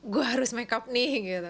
gue harus makeup nih gitu